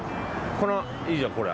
このいいじゃんこれ。